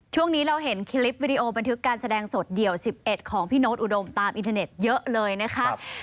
ช่วงนี้เราเห็นคลิปวิดีโอบันทึกการแสดงสดเดี่ยว๑๑ของพี่โน๊ตอุดมตามอินเทอร์เน็ตเยอะเลยนะคะ